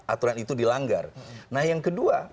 aturan itu dilanggar nah yang kedua